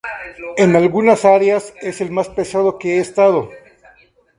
En algunas áreas, es el más pesado que he estado".